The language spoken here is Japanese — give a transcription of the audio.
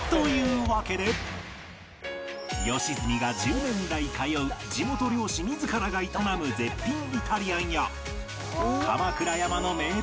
良純が１０年来通う地元漁師自らが営む絶品イタリアンや